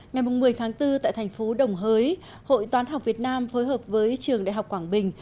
ngày một mươi tháng bốn tại thành phố đồng hới hội toán học việt nam phối hợp với trường đại học quảng bình